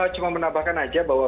cuma menambahkan saja